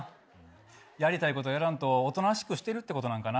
やりたいことやらんとおとなしくしてるってことなんかな。